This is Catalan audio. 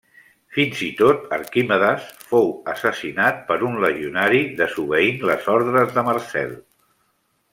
Fins i tot Arquimedes fou assassinat per un legionari desobeint les ordres de Marcel.